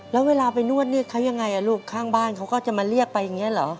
แล้วเวลาไปนวดนี่เขายังไงลูกข้างบ้านเขาก็จะมาเรียกไปอย่างนี้เหรอ